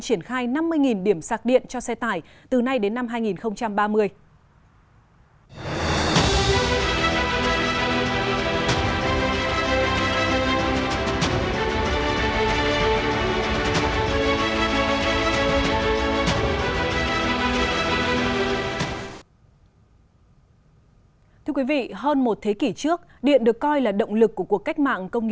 triển khai năm mươi điểm sạc điện cho xe tải từ nay đến năm hai nghìn ba mươi